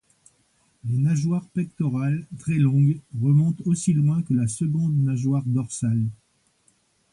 Les nageoires pectorales, très longues, remontent aussi loin que la seconde nageoire dorsale.